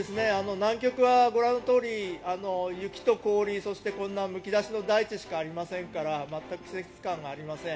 南極はご覧のとおり雪と氷、そしてむき出しの大地しかありませんから全く季節感がありません。